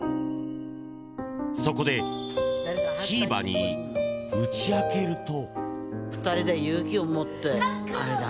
そこでひーばに打ち明けると。